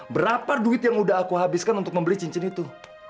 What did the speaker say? berapa duit yang udah aku habiskan untuk membeli cincin itu